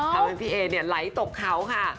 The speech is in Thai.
ทำให้พี่เอไหลตกเขาค่ะ